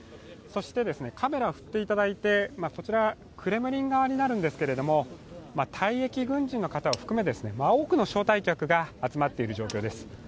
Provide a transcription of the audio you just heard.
そして、カメラ振っていただいてこちらクレムリン側になるんですけど退役軍人の方を含め、多くの招待客が集まっている状況です。